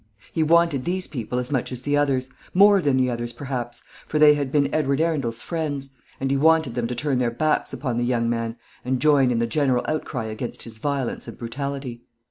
He wanted these people as much as the others, more than the others, perhaps, for they had been Edward Arundel's friends; and he wanted them to turn their backs upon the young man, and join in the general outcry against his violence and brutality.